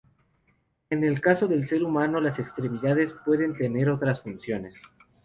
En el caso del ser humano, las extremidades pueden tener otras funciones.